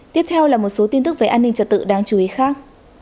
tiếp theo là một số tin tức về an ninh trật tự đáng chú ý khác